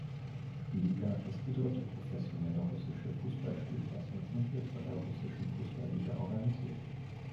Liga, ist die dritte professionelle russische Fußball-Spielklasse und wird von der russischen Fußball-Liga organisiert.